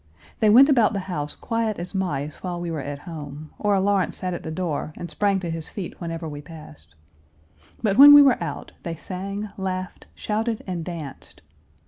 They went about the house quiet as mice while we were at home; or Lawrence sat at the door and sprang to his feet whenever we passed. But when we were out, they sang, laughed, shouted, and danced.